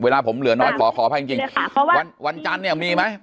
ถ้าสมมุติว่าหนู